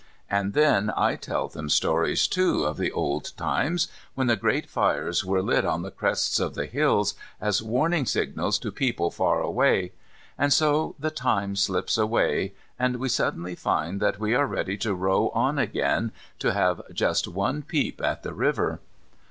And then I tell them stories, too, of the old times, when the great fires were lit on the crests of the hills, as warning signals to people far away. And so the time slips away, and we suddenly find that we are ready to row on again to have just one peep at the river.